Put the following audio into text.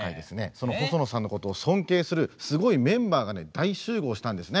その細野さんのことを尊敬するすごいメンバーがね大集合したんですね。